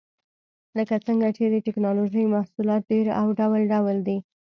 لکه څنګه چې د ټېکنالوجۍ محصولات ډېر او ډول ډول دي.